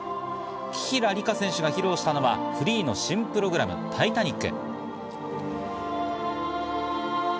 紀平梨花選手が披露したのはフリーの新プログラム『タイタニック』。